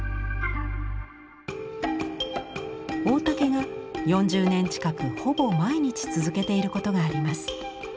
大竹が４０年近くほぼ毎日続けていることがあります。